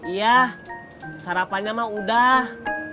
iya sarapannya mah udah